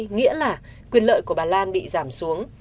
nghĩa là quyền lợi của bà lan bị giảm xuống